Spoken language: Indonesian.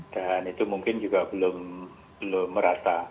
dan itu mungkin juga belum merata